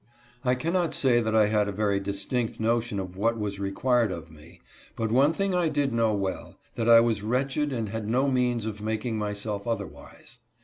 Ill cannot say that I had a very distinct notion of what was required of me, but one thing I did know well : that I was wretched and had no means of making myself otherwise.